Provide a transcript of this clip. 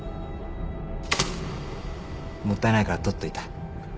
もったいないから取っといた。